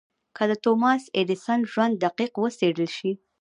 که د توماس ايډېسن ژوند دقيق وڅېړل شي.